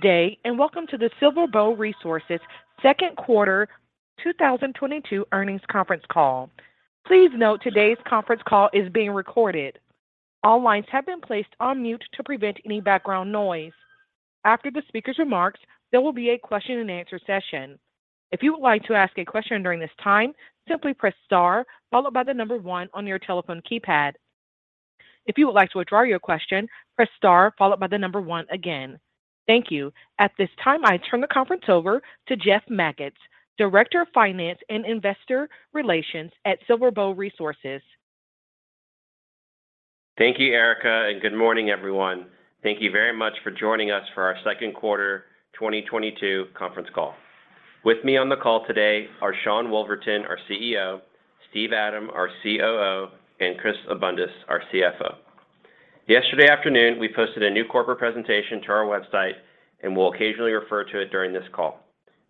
Good day, and welcome to the SilverBow Resources second quarter 2022 earnings conference call. Please note today's conference call is being recorded. All lines have been placed on mute to prevent any background noise. After the speaker's remarks, there will be a question-and-answer session. If you would like to ask a question during this time, simply press star followed by the number one on your telephone keypad. If you would like to withdraw your question, press star followed by the number one again. Thank you. At this time, I turn the conference over to Jeff Magids, Director of Finance and Investor Relations at SilverBow Resources. Thank you, Erica, and good morning, everyone. Thank you very much for joining us for our second quarter 2022 conference call. With me on the call today are Sean C. Woolverton, our CEO, Steven Adam, our COO, and Christopher M. Abundis, our CFO. Yesterday afternoon, we posted a new corporate presentation to our website, and we'll occasionally refer to it during this call.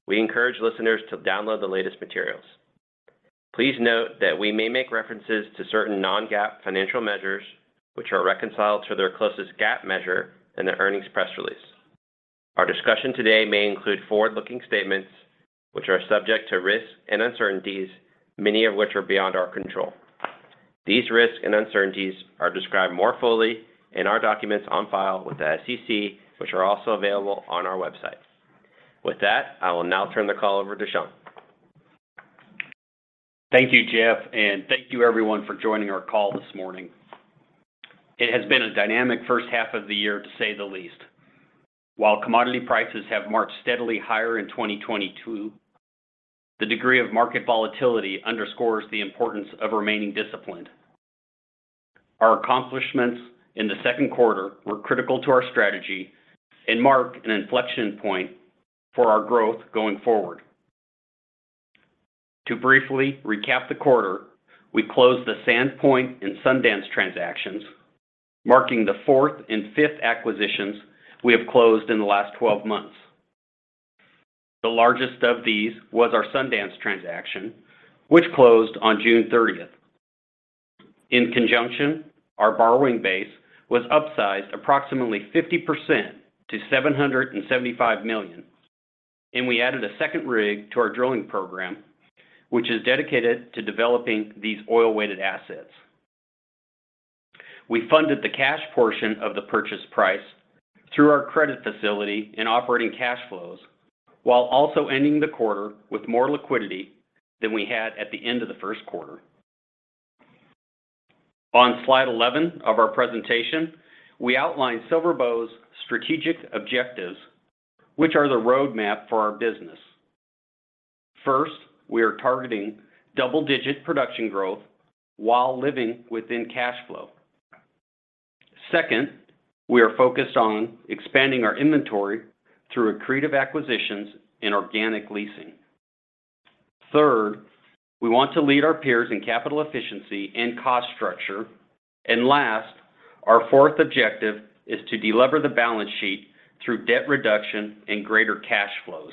We encourage listeners to download the latest materials. Please note that we may make references to certain non-GAAP financial measures which are reconciled to their closest GAAP measure in the earnings press release. Our discussion today may include forward-looking statements which are subject to risks and uncertainties, many of which are beyond our control. These risks and uncertainties are described more fully in our documents on file with the SEC, which are also available on our website. With that, I will now turn the call over to Sean. Thank you, Jeff, and thank you everyone for joining our call this morning. It has been a dynamic first half of the year, to say the least. While commodity prices have marched steadily higher in 2022, the degree of market volatility underscores the importance of remaining disciplined. Our accomplishments in the second quarter were critical to our strategy and mark an inflection point for our growth going forward. To briefly recap the quarter, we closed the SandPoint and Sundance transactions, marking the fourth and fifth acquisitions we have closed in the last 12 months. The largest of these was our Sundance transaction, which closed on June 30. In conjunction, our borrowing base was upsized approximately 50% to $775 million, and we added a second rig to our drilling program, which is dedicated to developing these oil-weighted assets. We funded the cash portion of the purchase price through our credit facility and operating cash flows, while also ending the quarter with more liquidity than we had at the end of the first quarter. On slide 11 of our presentation, we outlined SilverBow's strategic objectives, which are the roadmap for our business. First, we are targeting double-digit production growth while living within cash flow. Second, we are focused on expanding our inventory through accretive acquisitions and organic leasing. Third, we want to lead our peers in capital efficiency and cost structure. Last, our fourth objective is to delever the balance sheet through debt reduction and greater cash flows.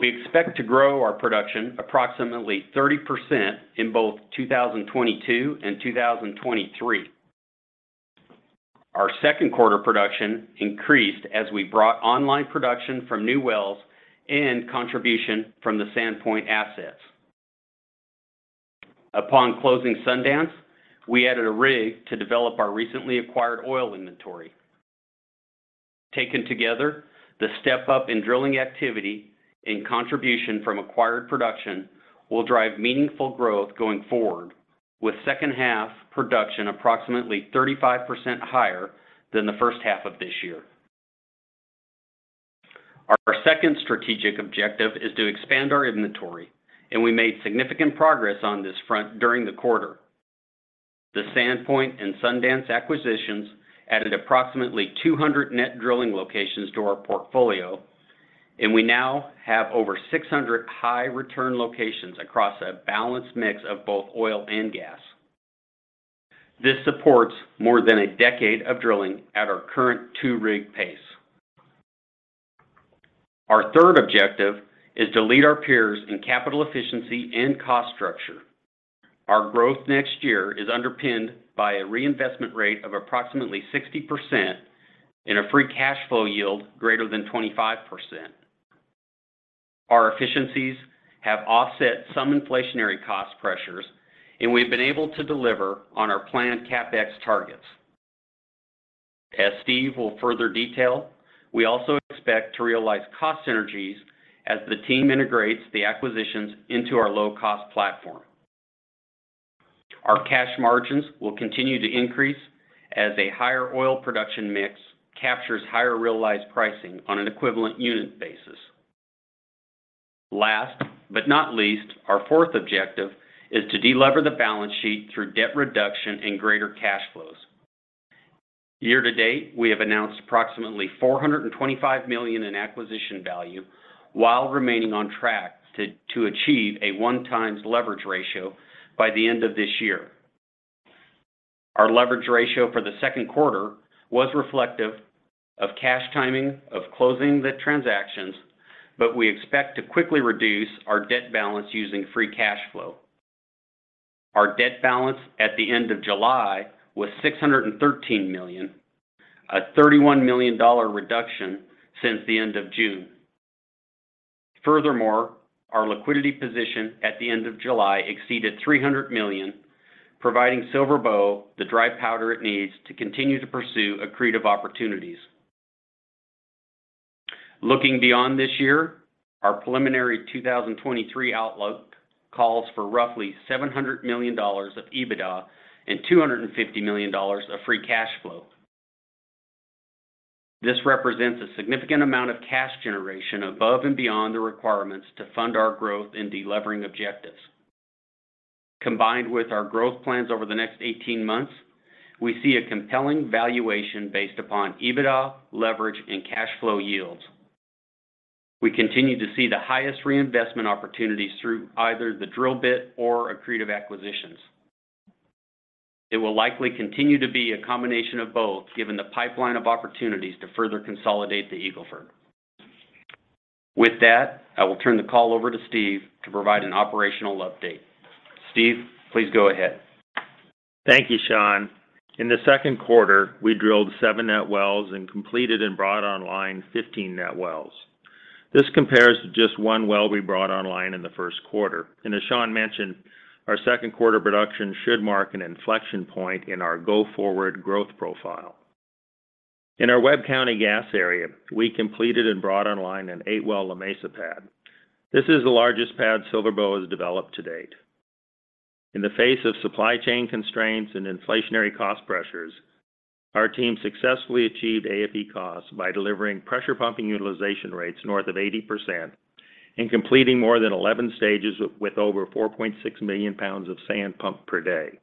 We expect to grow our production approximately 30% in both 2022 and 2023. Our second quarter production increased as we brought online production from new wells and contribution from the SandPoint assets. Upon closing Sundance, we added a rig to develop our recently acquired oil inventory. Taken together, the step up in drilling activity and contribution from acquired production will drive meaningful growth going forward with second half production approximately 35% higher than the first half of this year. Our second strategic objective is to expand our inventory, and we made significant progress on this front during the quarter. The SandPoint and Sundance acquisitions added approximately 200 net drilling locations to our portfolio, and we now have over 600 high return locations across a balanced mix of both oil and gas. This supports more than a decade of drilling at our current 2-rig pace. Our third objective is to lead our peers in capital efficiency and cost structure. Our growth next year is underpinned by a reinvestment rate of approximately 60% and a free cash flow yield greater than 25%. Our efficiencies have offset some inflationary cost pressures, and we've been able to deliver on our planned CapEx targets. As Steve will further detail, we also expect to realize cost synergies as the team integrates the acquisitions into our low-cost platform. Our cash margins will continue to increase as a higher oil production mix captures higher realized pricing on an equivalent unit basis. Last but not least, our fourth objective is to delever the balance sheet through debt reduction and greater cash flows. Year to date, we have announced approximately $425 million in acquisition value while remaining on track to achieve a one times leverage ratio by the end of this year. Our leverage ratio for the second quarter was reflective of cash timing of closing the transactions, but we expect to quickly reduce our debt balance using free cash flow. Our debt balance at the end of July was $613 million, a $31 million reduction since the end of June. Furthermore, our liquidity position at the end of July exceeded $300 million, providing SilverBow the dry powder it needs to continue to pursue accretive opportunities. Looking beyond this year, our preliminary 2023 outlook calls for roughly $700 million of EBITDA and $250 million of free cash flow. This represents a significant amount of cash generation above and beyond the requirements to fund our growth and de-levering objectives. Combined with our growth plans over the next 18 months, we see a compelling valuation based upon EBITDA, leverage, and cash flow yields. We continue to see the highest reinvestment opportunities through either the drill bit or accretive acquisitions. It will likely continue to be a combination of both given the pipeline of opportunities to further consolidate the Eagle Ford. With that, I will turn the call over to Steve to provide an operational update. Steve, please go ahead. Thank you, Sean. In the second quarter, we drilled seven net wells and completed and brought online 15 net wells. This compares to just 1 well we brought online in the first quarter. As Sean mentioned, our second quarter production should mark an inflection point in our go-forward growth profile. In our Webb County gas area, we completed and brought online an 8-well La Mesa pad. This is the largest pad SilverBow has developed to date. In the face of supply chain constraints and inflationary cost pressures, our team successfully achieved AFE costs by delivering pressure pumping utilization rates north of 80% and completing more than 11 stages with over 4.6 million pounds of sand pumped per day.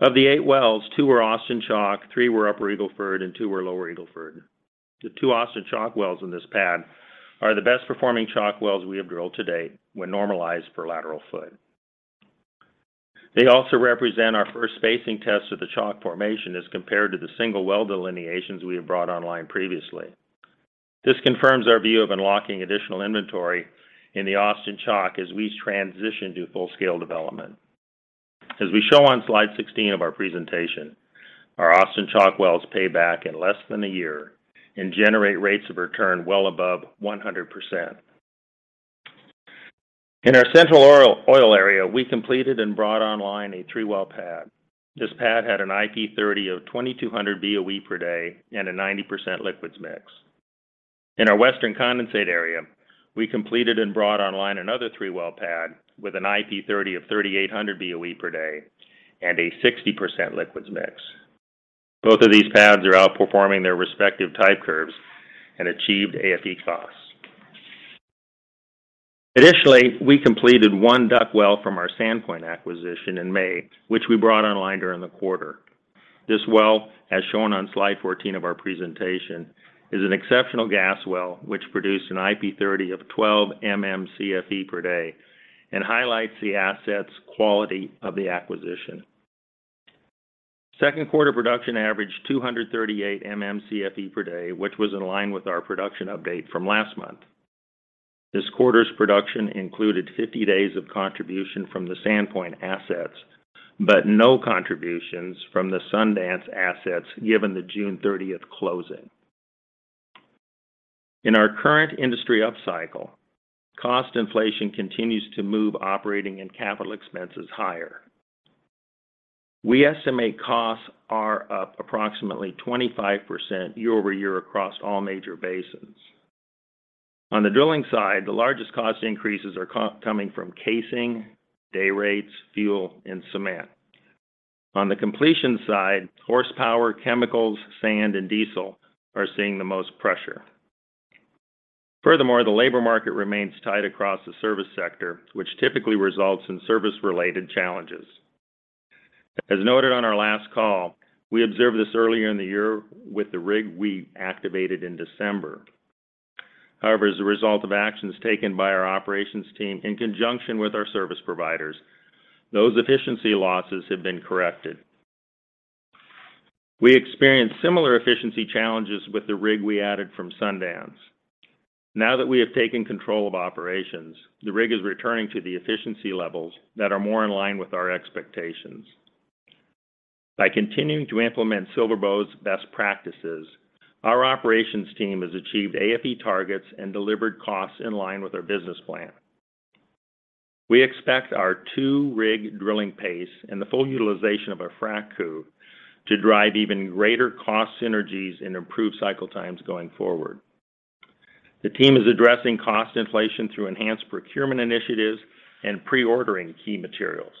Of the eight wells, two were Austin Chalk, three were Upper Eagle Ford, and two were Lower Eagle Ford. The two Austin Chalk wells in this pad are the best-performing Chalk wells we have drilled to date when normalized for lateral foot. They also represent our first spacing test of the Chalk formation as compared to the single well delineations we have brought online previously. This confirms our view of unlocking additional inventory in the Austin Chalk as we transition to full-scale development. As we show on slide 16 of our presentation, our Austin Chalk wells pay back in less than a year and generate rates of return well above 100%. In our Central Oil area, we completed and brought online a three-well pad. This pad had an IP 30 of 2,200 BOE per day and a 90% liquids mix. In our Western Condensate area, we completed and brought online another three-well pad with an IP 30 of 3,800 BOE per day and a 60% liquids mix. Both of these pads are outperforming their respective type curves and achieved AFE costs. Additionally, we completed one Duval well from our SandPoint acquisition in May, which we brought online during the quarter. This well, as shown on slide 14 of our presentation, is an exceptional gas well which produced an IP 30 of 12 MMCFE per day and highlights the asset's quality of the acquisition. Second quarter production averaged 238 MMCFE per day, which was in line with our production update from last month. This quarter's production included 50 days of contribution from the SandPoint assets, but no contributions from the Sundance assets given the June 30 closing. In our current industry upcycle, cost inflation continues to move operating and capital expenses higher. We estimate costs are up approximately 25% year-over-year across all major basins. On the drilling side, the largest cost increases are coming from casing, day rates, fuel, and cement. On the completion side, horsepower, chemicals, sand, and diesel are seeing the most pressure. Furthermore, the labor market remains tight across the service sector, which typically results in service-related challenges. As noted on our last call, we observed this earlier in the year with the rig we activated in December. However, as a result of actions taken by our operations team in conjunction with our service providers, those efficiency losses have been corrected. We experienced similar efficiency challenges with the rig we added from Sundance. Now that we have taken control of operations, the rig is returning to the efficiency levels that are more in line with our expectations. By continuing to implement SilverBow's best practices, our operations team has achieved AFE targets and delivered costs in line with our business plan. We expect our two-rig drilling pace and the full utilization of our frac crew to drive even greater cost synergies and improve cycle times going forward. The team is addressing cost inflation through enhanced procurement initiatives and pre-ordering key materials.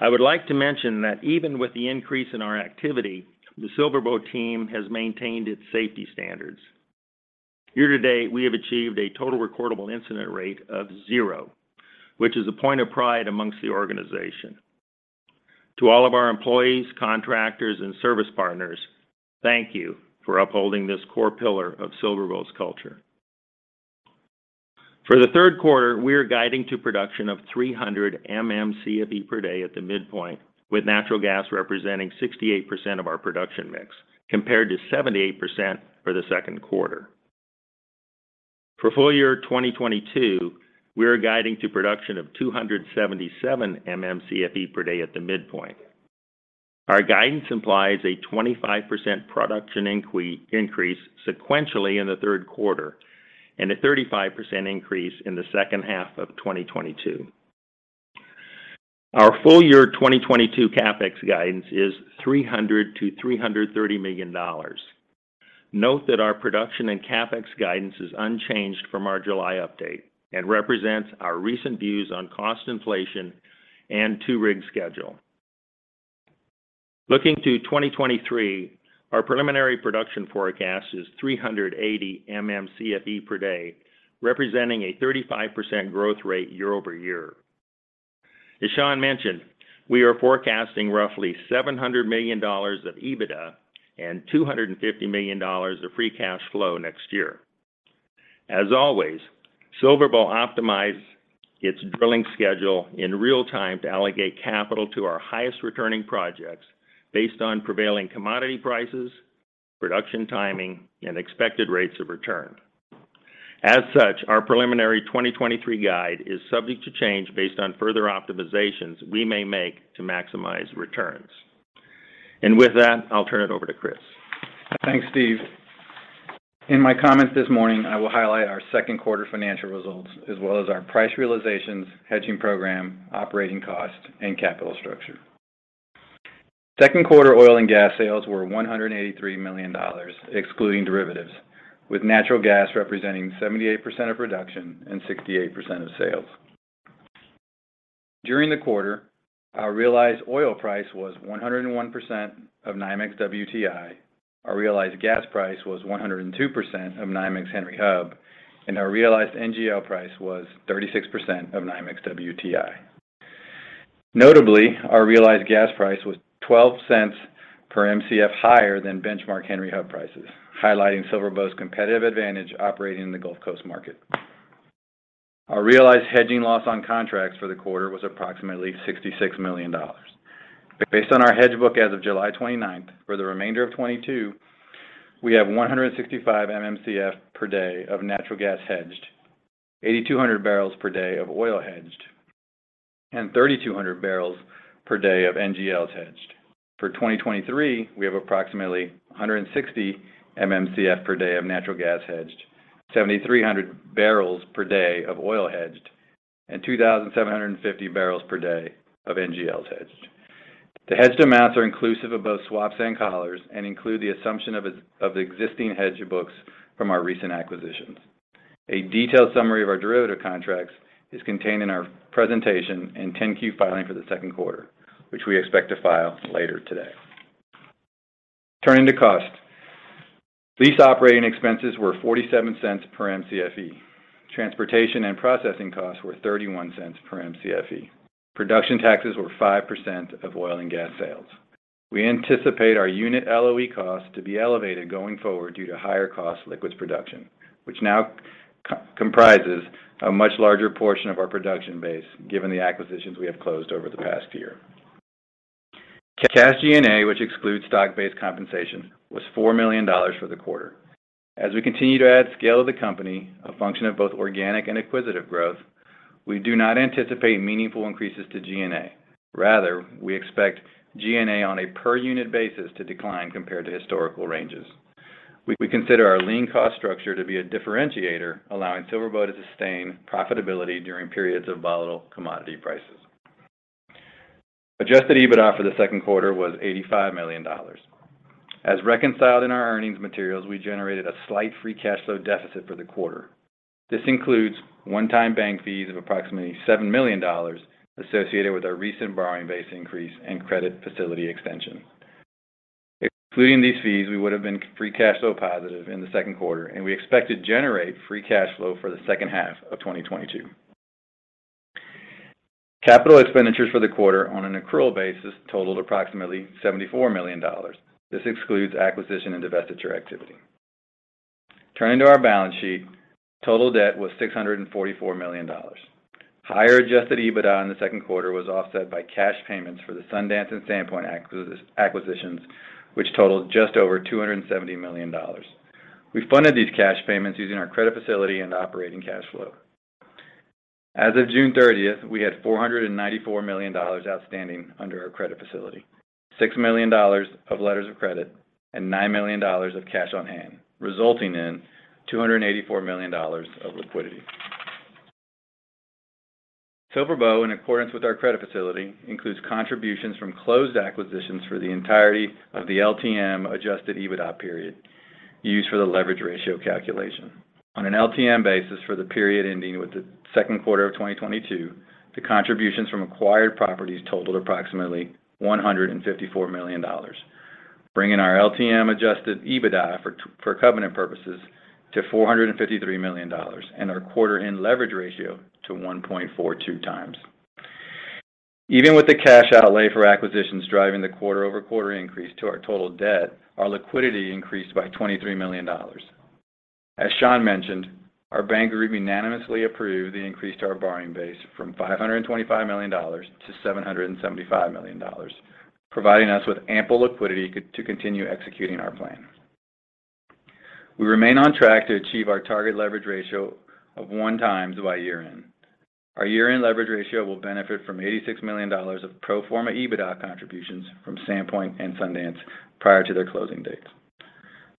I would like to mention that even with the increase in our activity, the SilverBow team has maintained its safety standards. Year to date, we have achieved a total recordable incident rate of zero, which is a point of pride amongst the organization. To all of our employees, contractors, and service partners, thank you for upholding this core pillar of SilverBow's culture. For the third quarter, we are guiding to production of 300 MMcfe per day at the midpoint, with natural gas representing 68% of our production mix, compared to 78% for the second quarter. For full year 2022, we are guiding to production of 277 MMcfe per day at the midpoint. Our guidance implies a 25% production increase sequentially in the third quarter and a 35% increase in the second half of 2022. Our full year 2022 CapEx guidance is $300 million-$330 million. Note that our production and CapEx guidance is unchanged from our July update and represents our recent views on cost inflation and two-rig schedule. Looking to 2023, our preliminary production forecast is 380 MMcfe per day, representing a 35% growth rate year over year. As Sean mentioned, we are forecasting roughly $700 million of EBITDA and $250 million of free cash flow next year. As always, SilverBow optimizes its drilling schedule in real time to allocate capital to our highest returning projects based on prevailing commodity prices, production timing, and expected rates of return. As such, our preliminary 2023 guide is subject to change based on further optimizations we may make to maximize returns. With that, I'll turn it over to Chris. Thanks, Steve. In my comments this morning, I will highlight our second quarter financial results as well as our price realizations, hedging program, operating cost, and capital structure. Second quarter oil and gas sales were $183 million, excluding derivatives, with natural gas representing 78% of production and 68% of sales. During the quarter, our realized oil price was 101% of NYMEX WTI. Our realized gas price was 102% of NYMEX Henry Hub, and our realized NGL price was 36% of NYMEX WTI. Notably, our realized gas price was $0.12 per Mcf higher than benchmark Henry Hub prices, highlighting SilverBow's competitive advantage operating in the Gulf Coast market. Our realized hedging loss on contracts for the quarter was approximately $66 million. Based on our hedge book as of July 29, for the remainder of 2022, we have 165 MMcf per day of natural gas hedged, 8,200 barrels per day of oil hedged, and 3,200 barrels per day of NGLs hedged. For 2023, we have approximately 160 MMcf per day of natural gas hedged, 7,300 barrels per day of oil hedged, and 2,750 barrels per day of NGLs hedged. The hedged amounts are inclusive of both swaps and collars and include the assumption of the existing hedged books from our recent acquisitions. A detailed summary of our derivative contracts is contained in our presentation and 10-Q filing for the second quarter, which we expect to file later today. Turning to cost. Lease operating expenses were $0.47 per Mcfe. Transportation and processing costs were $0.31 per Mcfe. Production taxes were 5% of oil and gas sales. We anticipate our unit LOE cost to be elevated going forward due to higher-cost liquids production, which now comprises a much larger portion of our production base given the acquisitions we have closed over the past year. Cash G&A, which excludes stock-based compensation, was $4 million for the quarter. As we continue to add scale to the company, a function of both organic and acquisitive growth, we do not anticipate meaningful increases to G&A. Rather, we expect G&A on a per unit basis to decline compared to historical ranges. We consider our lean cost structure to be a differentiator, allowing SilverBow to sustain profitability during periods of volatile commodity prices. Adjusted EBITDA for the second quarter was $85 million. As reconciled in our earnings materials, we generated a slight free cash flow deficit for the quarter. This includes one-time bank fees of approximately $7 million associated with our recent borrowing base increase and credit facility extension. Excluding these fees, we would have been free cash flow positive in the second quarter, and we expect to generate free cash flow for the second half of 2022. Capital expenditures for the quarter on an accrual basis totaled approximately $74 million. This excludes acquisition and divestiture activity. Turning to our balance sheet, total debt was $644 million. Higher adjusted EBITDA in the second quarter was offset by cash payments for the Sundance and SandPoint acquisitions, which totaled just over $270 million. We funded these cash payments using our credit facility and operating cash flow. As of June 30, we had $494 million outstanding under our credit facility, $6 million of letters of credit, and $9 million of cash on hand, resulting in $284 million of liquidity. SilverBow, in accordance with our credit facility, includes contributions from closed acquisitions for the entirety of the LTM adjusted EBITDA period used for the leverage ratio calculation. On an LTM basis for the period ending with the second quarter of 2022, the contributions from acquired properties totaled approximately $154 million, bringing our LTM adjusted EBITDA for covenant purposes to $453 million and our quarter-end leverage ratio to 1.42x. Even with the cash outlay for acquisitions driving the quarter-over-quarter increase to our total debt, our liquidity increased by $23 million. As Sean mentioned, our bank group unanimously approved the increase to our borrowing base from $525 million-$775 million. Providing us with ample liquidity to continue executing our plan. We remain on track to achieve our target leverage ratio of 1x by year-end. Our year-end leverage ratio will benefit from $86 million of pro forma EBITDA contributions from SandPoint and Sundance prior to their closing dates.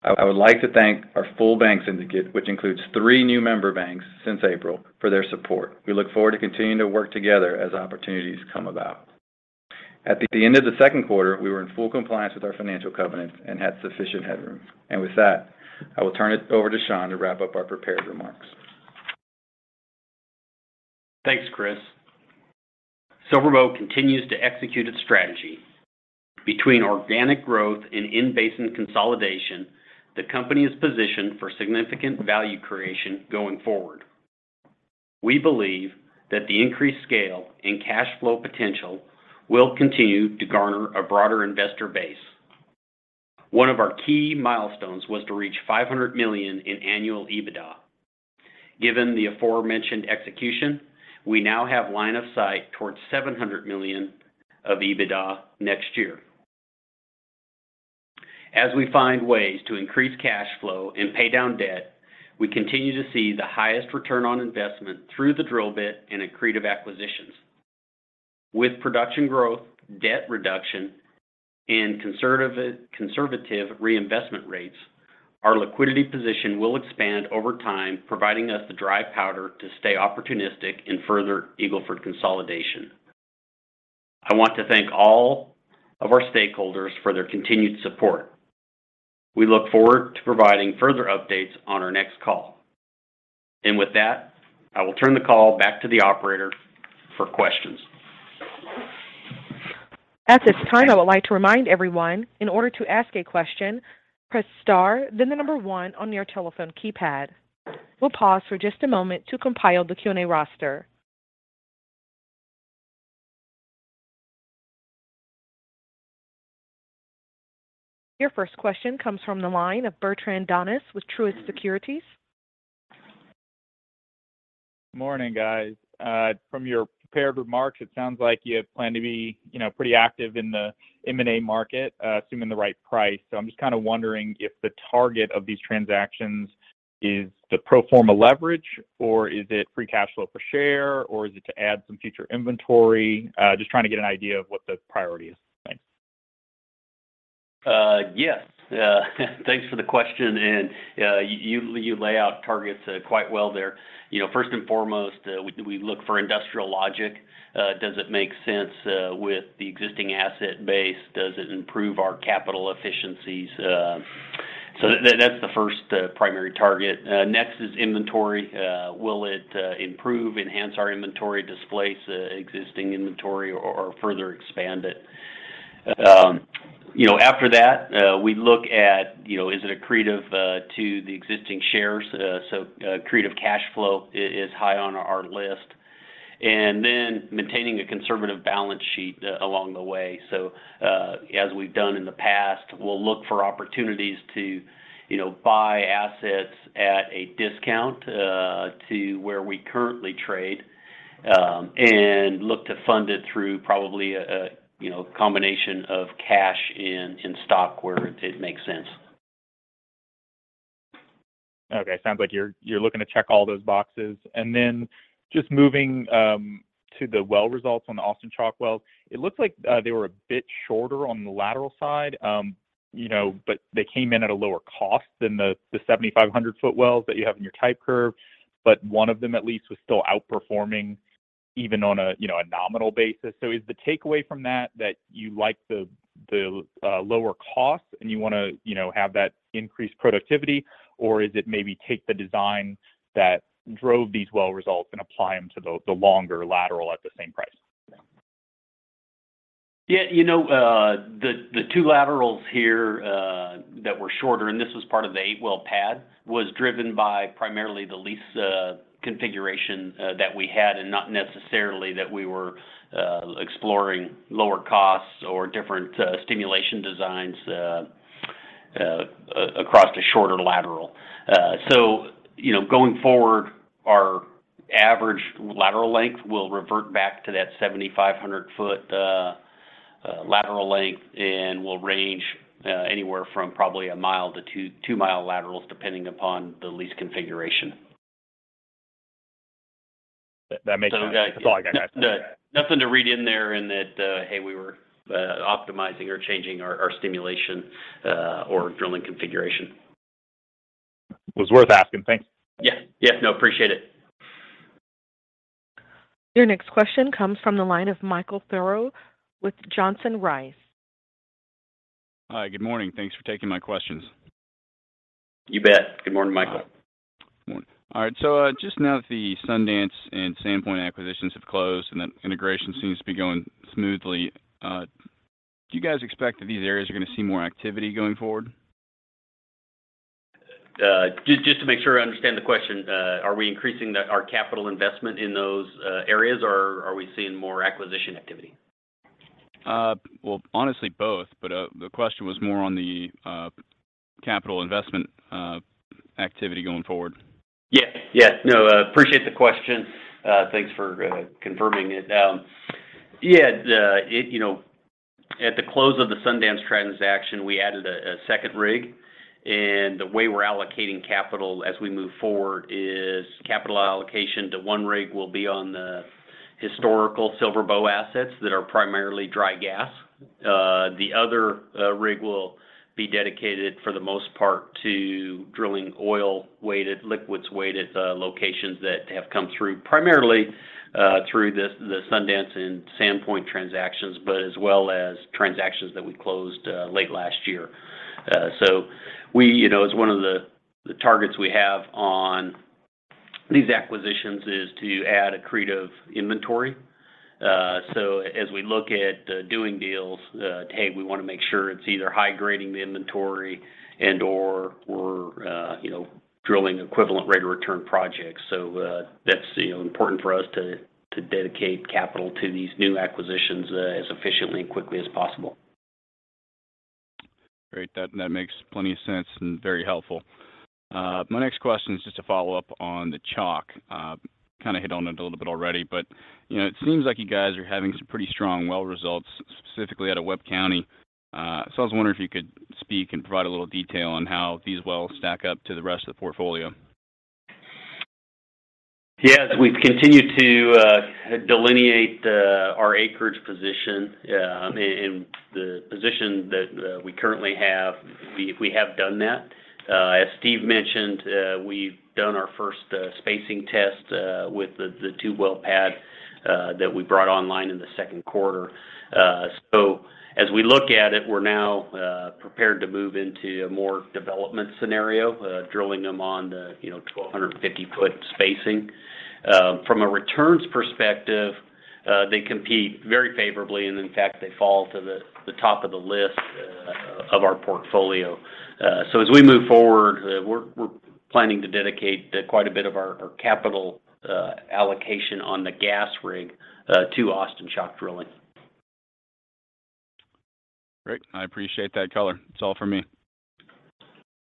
I would like to thank our full bank syndicate, which includes three new member banks since April, for their support. We look forward to continuing to work together as opportunities come about. At the end of the second quarter, we were in full compliance with our financial covenants and had sufficient headroom. With that, I will turn it over to Sean to wrap up our prepared remarks. Thanks, Chris. SilverBow continues to execute its strategy. Between organic growth and in-basin consolidation, the company is positioned for significant value creation going forward. We believe that the increased scale and cash flow potential will continue to garner a broader investor base. One of our key milestones was to reach $500 million in annual EBITDA. Given the aforementioned execution, we now have line of sight towards $700 million of EBITDA next year. As we find ways to increase cash flow and pay down debt, we continue to see the highest return on investment through the drill bit and accretive acquisitions. With production growth, debt reduction, and conservative reinvestment rates, our liquidity position will expand over time, providing us the dry powder to stay opportunistic in further Eagle Ford consolidation. I want to thank all of our stakeholders for their continued support. We look forward to providing further updates on our next call. With that, I will turn the call back to the operator for questions. At this time, I would like to remind everyone, in order to ask a question, press star, then the number one on your telephone keypad. We'll pause for just a moment to compile the Q&A roster. Your first question comes from the line of Bertrand Donnes with Truist Securities. Morning, guys. From your prepared remarks, it sounds like you plan to be, you know, pretty active in the M&A market, assuming the right price. I'm just kind of wondering if the target of these transactions is the pro forma leverage, or is it free cash flow per share, or is it to add some future inventory? Just trying to get an idea of what the priority is. Thanks. Yes. Thanks for the question. You lay out targets quite well there. You know, first and foremost, we look for industrial logic. Does it make sense with the existing asset base? Does it improve our capital efficiencies? That's the first primary target. Next is inventory. Will it improve, enhance our inventory, displace existing inventory or further expand it? You know, after that, we look at, you know, is it accretive to the existing shares? Accretive cash flow is high on our list. Then maintaining a conservative balance sheet along the way. as we've done in the past, we'll look for opportunities to, you know, buy assets at a discount to where we currently trade, and look to fund it through probably a you know, combination of cash and stock where it makes sense. Okay. Sounds like you're looking to check all those boxes. Just moving to the well results on the Austin Chalk well, it looks like they were a bit shorter on the lateral side, you know, but they came in at a lower cost than the 7,500-foot wells that you have in your type curve. One of them at least was still outperforming even on a, you know, a nominal basis. Is the takeaway from that that you like the lower cost and you wanna, you know, have that increased productivity? Or is it maybe take the design that drove these well results and apply them to the longer lateral at the same price? Yeah, you know, the two laterals here that were shorter, and this was part of the eight-well pad, was driven by primarily the lease configuration that we had and not necessarily that we were exploring lower costs or different stimulation designs across the shorter lateral. You know, going forward, our average lateral length will revert back to that 7,500-foot lateral length and will range anywhere from probably a mile to two-mile laterals depending upon the lease configuration. That makes sense. So, uh- That's all I got, guys. Nothing to read into that. Hey, we were optimizing or changing our stimulation or drilling configuration. It was worth asking. Thanks. Yeah. Yeah, no, appreciate it. Your next question comes from the line of Michael Furrow with Johnson Rice. Hi. Good morning. Thanks for taking my questions. You bet. Good morning, Neal. Good morning. All right. Just now that the Sundance and Sandpoint acquisitions have closed and that integration seems to be going smoothly, do you guys expect that these areas are gonna see more activity going forward? Just to make sure I understand the question, are we increasing our capital investment in those areas, or are we seeing more acquisition activity? Well, honestly, both, but the question was more on the, Capital investment activity going forward. Yeah. Yeah. No, I appreciate the question. Thanks for confirming it. Yeah, it—you know, at the close of the Sundance transaction, we added a second rig, and the way we're allocating capital as we move forward is capital allocation to one rig will be on the historical SilverBow assets that are primarily dry gas. The other rig will be dedicated for the most part to drilling oil-weighted, liquids-weighted locations that have come through primarily through the Sundance and SandPoint transactions, but as well as transactions that we closed late last year. We, you know, as one of the targets we have on these acquisitions is to add accretive inventory. As we look at doing deals today, we wanna make sure it's either high grading the inventory and/or we're you know, drilling equivalent rate of return projects. That's you know, important for us to dedicate capital to these new acquisitions as efficiently and quickly as possible. Great. That makes plenty of sense and very helpful. My next question is just a follow-up on the Chalk. Kind of hit on it a little bit already, but you know, it seems like you guys are having some pretty strong well results, specifically out of Webb County. So I was wondering if you could speak and provide a little detail on how these wells stack up to the rest of the portfolio. Yeah. As we continue to delineate our acreage position, and the position that we currently have, we have done that. As Steven mentioned, we've done our first spacing test with the 2-well pad that we brought online in the second quarter. As we look at it, we're now prepared to move into a more development scenario, drilling them on the, you know, 1,250-foot spacing. From a returns perspective, they compete very favorably, and in fact, they fall to the top of the list of our portfolio. As we move forward, we're planning to dedicate quite a bit of our capital allocation on the gas rig to Austin Chalk drilling. Great. I appreciate that color. That's all for me.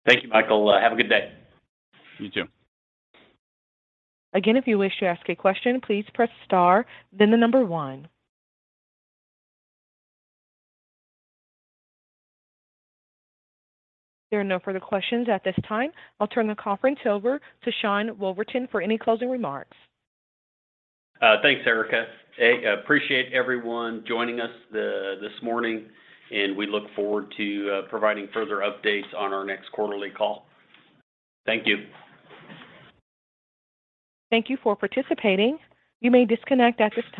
Thank you, Michael. Have a good day. You too. Again, if you wish to ask a question, please press star, then the number one. There are no further questions at this time. I'll turn the conference over to Sean Woolverton for any closing remarks. Thanks, Erica. Hey, I appreciate everyone joining us this morning, and we look forward to providing further updates on our next quarterly call. Thank you. Thank you for participating. You may disconnect at this time.